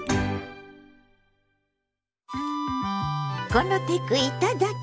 「このテクいただき！